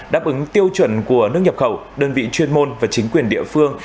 đáp ứng tiêu chuẩn của nước nhập khẩu đơn vị chuyên môn và chính quyền địa phương